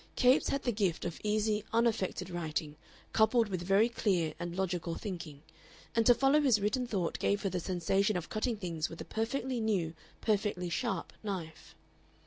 Capes had the gift of easy, unaffected writing, coupled with very clear and logical thinking, and to follow his written thought gave her the sensation of cutting things with a perfectly new, perfectly sharp knife.